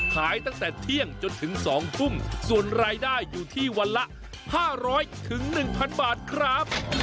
ขายตั้งแต่เที่ยงจนถึง๒ทุ่มส่วนรายได้อยู่ที่วันละ๕๐๐๑๐๐บาทครับ